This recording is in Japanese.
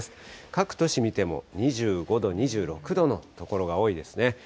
各都市見ても、２５度、２６度の所が多いですね。